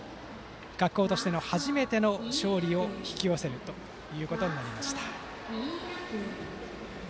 学校としての初めての勝利を引き寄せたということになりました。